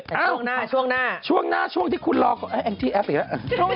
ช่วงหน้าช่วงหน้าช่วงหน้าช่วงที่คุณรอให้แองจี้แอฟอีกแล้ว